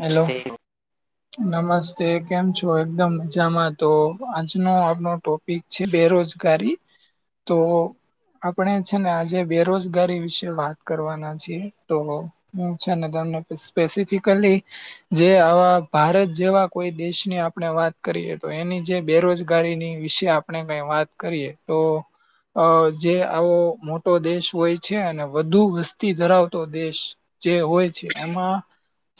Hello. નમસ્તે કેમ છો? એકદમ મજામાં તો આજનો આપણો ટોપ પિક છે બેરોજગારી, તો આપણે છે ને આજે બેરોજગારી વિશે કરવાના છે, તો હું છે ને તમને સ્પેસિફિકલી જે આવા ભારત જેવા કોઈ દેશની આપણે વાત કરીએ, તો એની જે બેરોજગારીની વિશે આપ આપણે કઈ વાત કરીએ તો અ.. જે આવો મોટો દેશ હોય છે અને વધુ વસ્તી ધરાવતો દેશ જે હોય છે, એમાં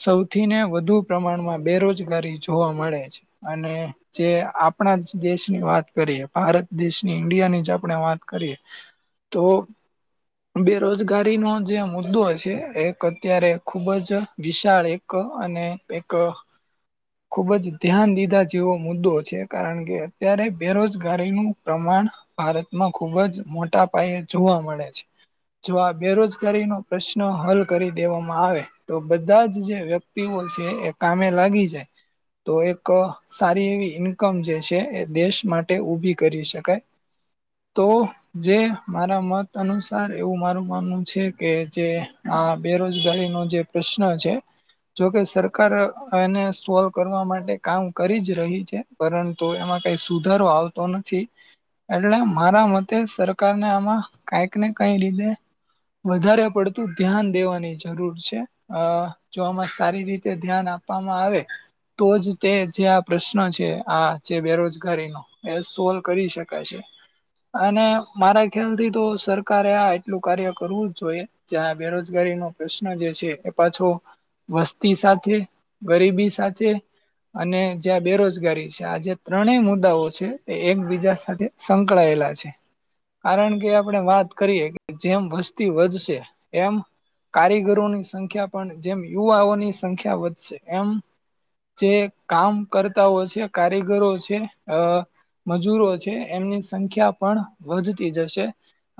સૌ થી ને વધુ પ્રમાણમાં બેરોજગારી જોવા મળે છે અને જે આપણા જ દેશ ની વાત કરીએ, ભારત દેશની, ઈન્ડિયા ની જ આપણે વાત કરીએ તો બેરોજગારીનો જે મુદ્દો છે એક અત્યારે ખુબ જ વિશાળ એક એક અને એક ખૂબ જ ધ્યાન દીધા જેવો મુદ્દો છે, કારણ કે, અત્યારે બેરોજગારીનું પ્રમાણ ભારતમાં ખુબ જ મોટા પાયે જોવા મળે છે. જો આ બેરોજગારી નો પ્રશ્ન હલ કરી દેવામાં આવે તો, બધા જ જે વ્યક્તિ વ્યક્તિઓ છે એ કામે લાગી જાય, તો એક સારી એવી ઈન્કમ જે છે એ દેશ માટે ઉભી કરી શકાય, તો જે મારા મત અનુસાર એવું મારું માનવું છે કે, જે આ બેરોજગારી નો જે પ્રશ્ન છે? જોકે સરકાર આને સોલ્વ કરવા માટે કામ કરી જ રહી છે. પરંતુ, એમાં કઈ સુધારો આવતો નથી. એટલે મારા મતે સરકારને આમાં કાઈક ને કાઈ રીતે વધારે પડતું ધ્યાન દેવાની જરૂર છે અ-અ-અ ચોમાસ સારી રીતે ધ્યાન આપવામાં આવે તો જ તે, જે આ પ્રશ્ન છે આ જે બેરોજગારીનો એ સોલ્વ કરી શકાય છે. અને મારા ખ્યાલથી તો સરકારે આ એટલું કાર્ય કરવું જોઈએ. જ્યાં બેરોજગારીનો પ્રશ્ન જે છે એ પાછો વસ્તી સાથે, ગરીબી સાથે અને જ્યાં બેરોજગારી છે, આ જે ત્રણેય મુદ્દાઓ છે, એ એકબીજા સાથે સંકળાયેલા છે. કારણ કે, આપડે વાત કરીએ કે જેમ વસ્તી વધશે એમ કારીગરોની સંખ્યા પન, જેમ યુવાઓ ની સંખ્યા વધશે એમ જે કામ કર્તાઓ છે, કારીગરો છે, અ... મજૂરો છે, એમની સંખ્યા પણ વધતી જશે.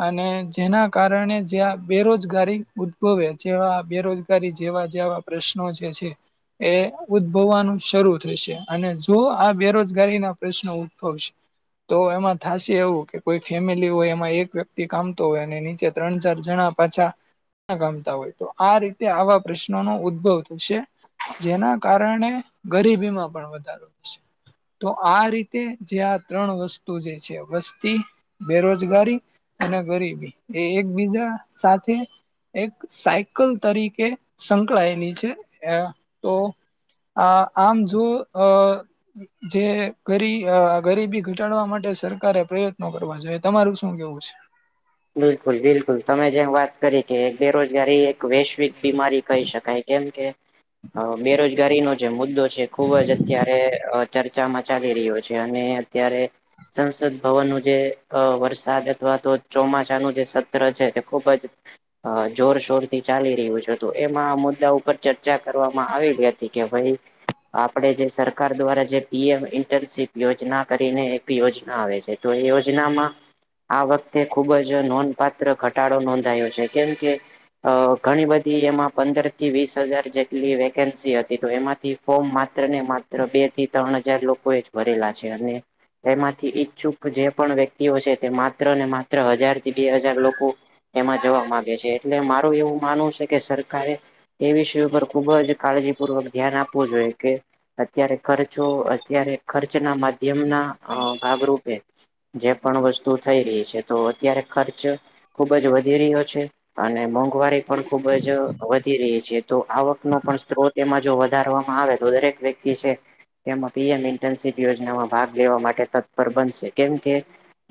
અને જેના કારણે જ્યાં બેરોજગારી ઉદભવે, જેવા બેરોજગારી જેવા જેવા પ્રશ્નો છે-છે. એ ઉદભવાનું શરૂ થશે અને જો આ બેરોજગારી ના પ્રશ્નો ઉદભવશે તો એમાં થાશે એવું કે કોઈ ફેમેલી હોય, એમાં એક વ્યક્તિ કામતો ઓય અને નીચે ત્રણ-ચાર જણા પાછા, આ ગમતા હોય તો આ રીતે આવા પ્રશ નનો ઉદભવ થશે, જેના કારણને ગરીબીમાં પણ વધારો થશે. તો આ રીતે જે આ ત્રણ વસ્તુ જે છે, વસ્તી, બેરોજગારી અને ગરીબી, એ એકબીજા સાથે એક સાયકલ તરીકે સંકળાયેલી છે, એ તો આ આમ જો અ.. જે ગરી અહ ગરીબી ઘટાડવા માટે સરકારે પ્રયત્નો કરવા જોઈએ. તમારું શું કહેવું છે? બિલકુલ-બિલકુલ. તમે જેમ વાત કરી કે બેરોજગારી એ વૈશ્વિક બીમારી કહી શકાય. કેમ કે અહ બેરોજગારીનો જે મુદ્દો છે ખુબ જ અત્યારે અહ ચર્ચામાં ચાલી રહ્યો છે. અને અત્યારે સંસદ ભવનનું જે અહ વરસાદ અથવા તો ચોમાસાનું જે સત્ર છે તે ખુબ જ અહ જોરશોર થી ચાલી રહ્યુ છે. તો એમાં આ મુદ્દા ઉપર ચર્ચા કરવામાં આવેલી હતી, કે ભઈ આપણે જે સરકાર દ્વારા જે પી એમ ઇન્ટર્નશીપ યોજના કરીને એક યોજના આવે છે. તો એ યોજનામાં આ વખ તે ખુબ જ નોંધપાત્ર ઘટાડો નોંધાયો છે, કેમ કે અહ ઘણી બધી એમાં પંદર થી વીસ હજાર જેટલી વેકેન્સી હતી. તો એમાંથી ફોર્મ માત્ર ને માત્ર બે થી તન હજાર લોકો એ જ ભરેલા છે. અને એમાંથી ઈચ્છુક જે પણ વ્યક્તિઓ છે તે માત્ર ને માત્ર હજાર થી બે હજાર લોકો એમાં જવા માંગે છે. એટલે મારું એવું માનવું સે કે સરકારે એ વિષય ઉપર ખુબ જ કાળજીપૂર્વક ધ્યાન આપવું જોઈએ કે અત્યારે ખર્ચો અત્યારે ખર્ચના માધ્યમના અહ ભાગરૂપે જે પણ વસ્તુ થઈ રહી છે, તો અત્યારે ખર્ચ ખુબ જ વધી રહ્યો છે. અને મોંઘવારી પણ ખુબ જ વધી રહીએ છે. તો આવક નો પણ સ્ત્રોત એમાં જો વધારવામાં આવે તો દરેક વ્યક્તિ સે તેમાં પી એમ ઇન્ટર્નશીપ યોજનામાં ભાગ લેવા માટે તત્પર બનશે, કેમ કે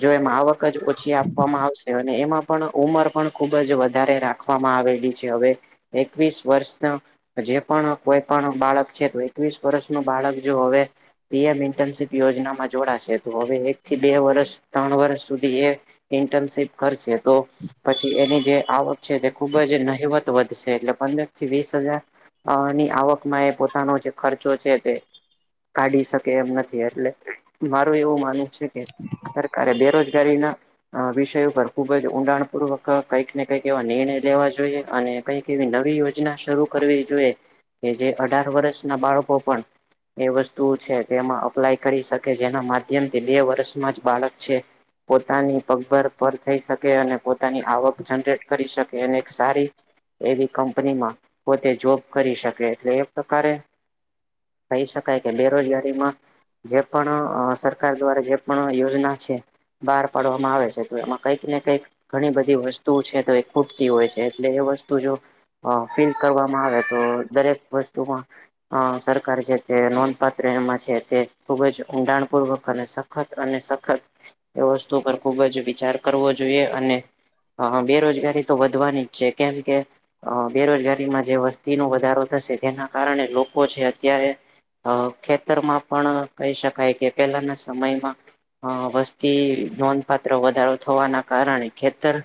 જો એમાં આવક છી આપવામાં આવશે, અને એમાં પણ ઉંમર પણ ખુબ જ વધારે રાખવામાં આવેલી છે. હવે એકવીસ વર્ષના જે પણ કોઈ પણ બાળક છે, તો એકવીસ વર્ષ નુ બાળક જે હોવે પી એમ ઇન્ટર્નશીપ યોજનામાં જોડાશે. તો હવે એક થી બે વર્ષ તણ વર્ષ સુધી એ ઇન્ટર્નશીપ કરશે. તો પછી એની જે આવક છે તે ખુબ જ નહીંવત વધશે. એટલે પંદર થી વીસ હજાર અહ ની આવકમાં એ પોતાનો જે ખર્ચો છે તે કાઢી શકે એમ નથી. એટલે મારું એવું માનવું છે કે સરકારે બેરોજગારીના અહ વિષય ઉપર ખુબ જ ઊંડાણપૂર્વક કંઈક ને કંઈક એવા નિર્ણય લેવા જોઈએ. અને કંઈક એવી યોજના શરૂ કરવી જોઈએ. જે અઢાર વર્ષ ના બાળકો પણ એ વસ્તુ છે તેમાં અપ્લાય કરી શક કે જેના માધ્યમથી બે વર્ષમાં જ બાળક છે પોતાની પગભર પણ થઈ શકે અને પોતાની આવક જનરેટ કરી શકે. અને એક સારી એવી કંપનીમાં પોતે જોબ કરી શકે. એટલે એ પ્રકારે કહી શકાય કે બેરોજગારીમાં જે પણ અહ સરકાર દ્વારા જે પણ યોજના છે, બહાર પાડવા મા આવે છે, તો એમાં કંઈક ને કંઈક ઘણી બધી વસ્તુ છે, તો એ ખૂટતી હોય છે. એટલે એ વસ્તુ જો અહ ફિલ કરવામાં આવે તો દરેક વસ્તુમાં અહ સરકાર છે તે નોંધપાત્ર એમાં છે, તે ખુબ જ ઊંડાણ પૂર્વક અને સ ખત અને સખત એ વસ્તુ પર ખૂબ જ વિચાર કરવો જોઈએ. અને હા, હા. બેરોજગારી તો વધવાની જ છે કેમ કે અહ બેરોજગારીમાં જે વસ્તીનો વધારો થશે તેના કારણે લોકો છે એ અત્યારે અહ ખેતરમાં પણ કહી શકાય, કે પહેલાના સમયમાં હા વસ્તી નોંધ પાત્ર વધારો થવાના કારણે ખેતર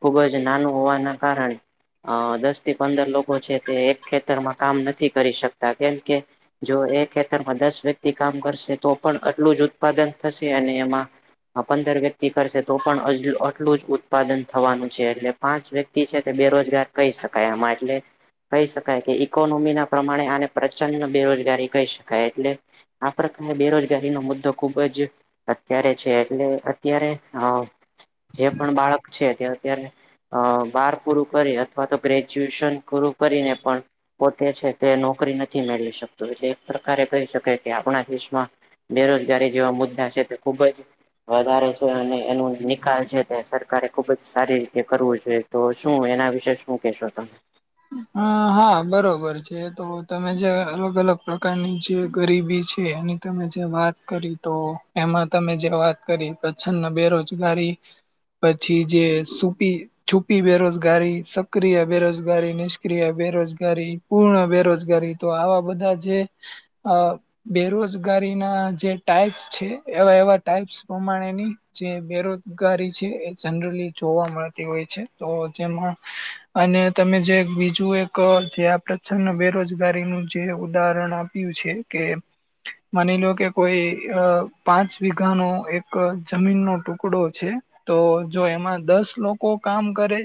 ખૂબ જ નાનું હોવાના કારણે અહ દસ થી પંદર લોકો છે તે એક ખેતરમાં કામ નથી કરી શકતા, કેમ કે જો એ ખેતરમાં દસ વ્યક્તિ કામ કરશે તો પણ આટલું જ ઉત્પાદન થશે. અને એમાં અહ પંદર વ્યક્તિ કરશે તો પણ અજલુ અટલું જ ઉત્પાદન થવાનું છે. એટલે પાંચ વ્યક્તિ છે તે બેરોજગાર કહી શકાય એમાં. એટલે કહી શકાય કે ઈકોનોમી ના પ્રમાણે આને પ્રચંડ બેરોજગારી કહી શકાય. એટલે આ પ્રકારની બેરોજગારીનો મુદ્દો ખુબ જ અત્યારે છે. એટલે અત ત્યારે અહ જે પણ બાળક છે તે અત્યારે અહ બાર પૂરું કરી અથવા તો ગ્રેજ્યુએશન પૂરું કરીને પણ પોતે છે તે નોકરી નથી મેળવી શકતું. એટલે એક પ્રકારે કહી શકાય કે આપણા દેશમાં બેરોજગારી જેવા મુદ્દા છે તે ખુબ જ વધારે છ છે અને એનો નિકાલ છે તે સરકારે ખુબ જ સારી રીતે કરવું જોઈએ. તો શું એના વિશે શું કહેશો તમે? અહ હા બરોબર છે. તો તમે જે અલગ-અલગ પ્રકારની જે ગરીબી છે એની તમે જે વાત કરી તો એમાં તમે જે વાત કરી તો [unintelligible] બેરોજગારી પછી જે સુપી છુપી બેરોજગારી, સક્રિય બેરોજ ગારી, નિષ્ક્રિય બેરોજગારી, પૂર્ણ બેરોજગારી તો આવા બધા જે અહ બેરોજગારી ના જે ટાઈપ્સ છે એવા-એવા ટાઈપ્સ પ્રમાણેની જે બેરોજગારી છે એ જનરલી જોવા મળતી હોય છે. તો જેમાં અને તમે જે બીજું એક જે આ પ્રચન બેરોજગારીનું જે ઉદાહરણ આપ્યું છે કે માની લો કે કોઈ અહ પાંચ વિઘાનો એક જમીનનો ટુકડો છે. તો જો એમાં દસ લોકો કામ કરે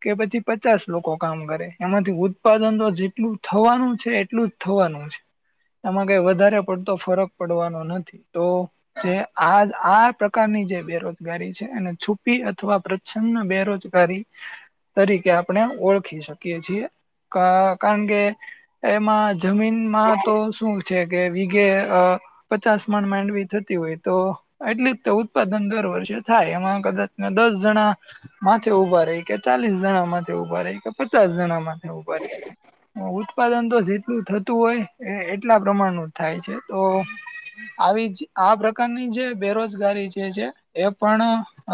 કે, પછી પચ ચાસ લોકો કામ કરે, એમાંથી ઉત્પાદન તો જેટલું થવાનું છે એટલું જ થવાનું છે. એમાં કંઈ વધારે પડતો ફરક પડવાનો નથી. તો જે આ-આ પ્રકારની જે બેરોજગારી છે, એને છુપી અથવા પ્ર ચ્છન બેરોજગારી તરીકે આપ પણે ઓળખી શકીએ છીએ. કા કારણ કે એમાં જમીનમાં તો શું છે કે વિઘે અહ પચાસ મણ માંડવી થતી હોય તો એટલી જ તે ઉત્પાદન દર વર્ષે થાય. એમાં કદાચને દસ જણા માથે ઉભા રહી, કે ચાલીસ જણા માંથે ઉભા રહી, કે પચાસ જણા માથે ઉભા રહીં અહ ઉત્પાદન તો જેટલું થતું એ એટલા પ્રમાણનું જ થાય છે. તો આવી જ આ પ્રકારની જે બેરીજગારી જે છે એ પણ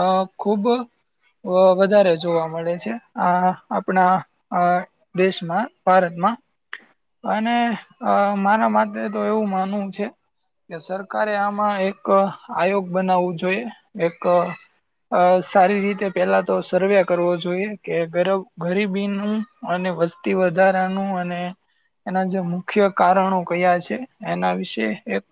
અહ ખુબ અહ વધારે જોવા મળે છે. આ આપણા અહ દેશમાં ભારતમાં. અને અહ મારા મતે તો એવું માનવું છે કે સરકારે આમાં એક આયોગ બનાવવું જોઈએ. એક અહ સારી રીતે પેલા તો સર્વે કરવો જોઈએ. કે ગરબ ગરીબી નું, અને વસ્તી વધારાનું અને એના જે મુખ્ય કારણો કયા છે એના વિશે એક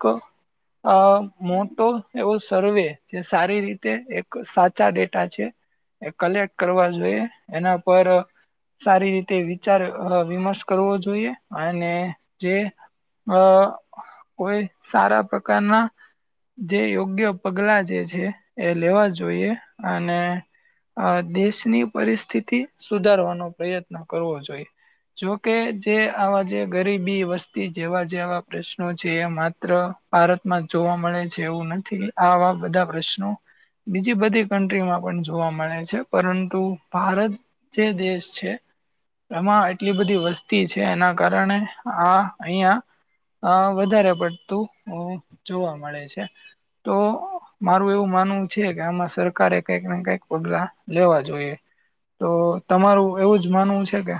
અહ મોટો એવો સર્વે જે સારી રીતે એક સાચા ડેટા છે. એ કલેક્ટ કરવા જોઈએ. એના પર સારી રીતે વિચાર અહ વિમર્ષ કરવો જોઈએ. અને જે અહ કોઈ સારા પ્રકારના જે યોગ્ય પગલા જે છે એ લેવા જોઈએ અને આ દેશની પરિસ્થિતિ સુધારવાનો પ્રયત્ન કરવો જોઈએ. જોકે જે આવા જે ગરીબી વસ્તી જેવા જેવા પ્રશ્નો છે એ માત્ર ભારતમાં જોવા મળે છે એવું નથી આવા બધા પ્રશ્નો બીજી બધી કન્ટ્રીમાં પણ જોવા મળે છે પરંતુ ભારત જે દેશ છે એમાં એટલી બધી વસ્તી છે એના કારણે આ અહિયાં અહ વધારે પડતું અહ જોવા મળે છે. તો મારું એવું માનવું છે કે આમાં સરકારે કઈકને કઈક પગલા લેવા જોઈએ. તો તમારું એવું જ માનવું છે કે?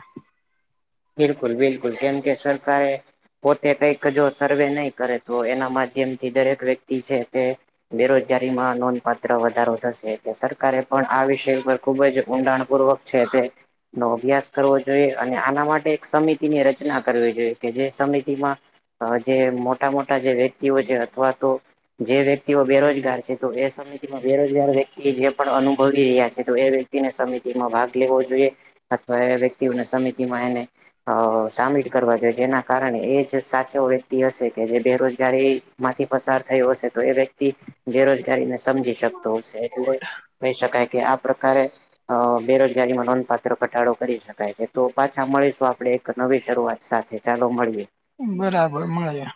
બિલકુલ બિલકુલ કેમ કે સરકાર એ પોતે કઈક જો સર્વે નહી કરે તો એના માધ્યમ થી દરેક વ્યક્તિ છે તે બેરોજગારીમાં નોંધપાત્ર વધારો થશે એટલે સરકારે પણ આ વિષય ઉપર ખુબ જ ઊંડાણપૂર્વક છે તે નો અભ્યાસ કરવો જોઈએ અને આના માટ ટે એક સમિતિ ની રચના કરવી જોઈએ કે જે સમિતિમાં અહ જે મોટા મોટા જે વ્યક્તિઓ છે અથવા તો જે વ્યક્તિઓ બેરોજગાર છે તો એ સમિતિમાં બેરોજગાર વ્યક્તિ જે પણ અનુભવી રહ્યા છે તો એ વ્ય તી ને સમિતિમાં ભાગ જોઈએ અથવા એ વ્યક્તિઓ એ સમિતિમાં એને અહ સામેલ જોઈએ જેના કારણે એ જ સાચો વ્યક્તિ હશે કે જે બેરોજગારી માંથી પસાર થયો હશે તો એ વ્યક્તિ બેરોજગારી ન સમજી શકતો હશે એટલે કહી શકાય કે આ પ્રકારે અહ બેરોજગારીમાં નોંધપાત્ર ઘટાડો કરી શકાય છે. તો પાછા મળીસ તો આપડે એક નવી શરૂઆત સાથે ચાલો મળીએ. બરાબર મળ્યા.